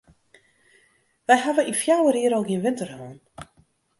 Wy hawwe yn fjouwer jier al gjin winter hân.